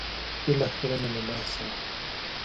بالاخره مې له لاسه ورکړ.